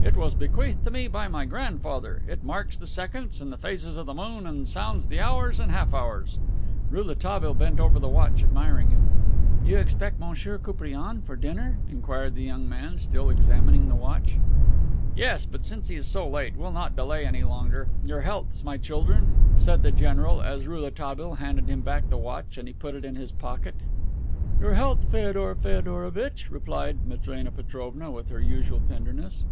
"It was bequeathed to me by my grandfather. It marks the seconds, and the phases of the moon, and sounds the hours and half hours." Rouletabille bent over the watch, admiring it. "You expect M. Koupriane for dinner?" inquired the young man, still examining the watch. "Yes, but since he is so late, we'll not delay any longer. Your healths, my children," said the general as Rouletabille handed him back the watch and he put it in his pocket. "Your health, Feodor Feodorovitch," replied Matrena Petrovna, with her usual tenderness.